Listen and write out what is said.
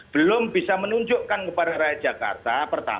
belum bisa menunjukkan kepada rakyat jakarta